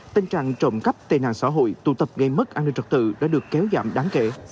tình trạng trộm cắp tài nạn xã hội tụ tập gây mất an ninh trật tự đã được kéo giảm đáng kể